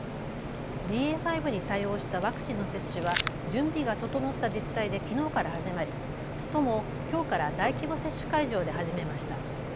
ＢＡ．５に対応したワクチンの接種は準備が整った自治体できのうから始まり都もきょうから大規模接種会場で始めました。